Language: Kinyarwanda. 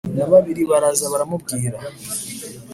na babiri baraza baramubwira